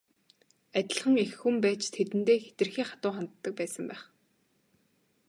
Адилхан эх хүн байж тэдэндээ хэтэрхий хатуу ханддаг байсан байх.